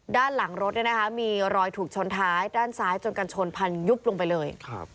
ด้านหลังรถมีรอยถูกชนท้ายด้านซ้ายจนกันชนพันยุบลงไปเลย